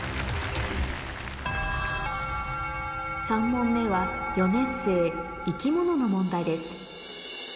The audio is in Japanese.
３問目は４年生生き物の問題です